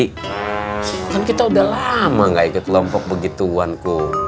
kan kita udah lama nggak ikut lompok begituan kum